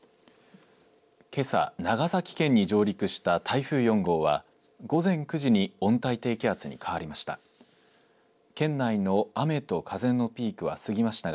けさ、長崎県に上陸した台風４号は午前９時に温帯低気圧に変わりました。